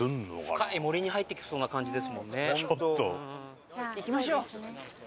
深い森に入っていきそうな感じですもんね。